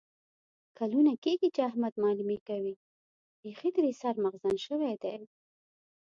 کلونه کېږي چې احمد معلیمي کوي. بیخي ترې سر مغزن شوی دی.